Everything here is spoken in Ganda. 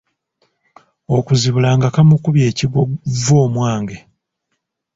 Okuzibula nga kamukubye ekigwo vvoomwange.